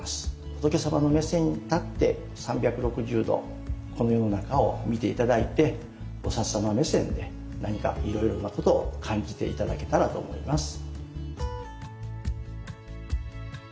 仏様の目線に立って３６０度この世の中を見て頂いて菩様目線で何かいろいろなことを感じて頂けたらと思います。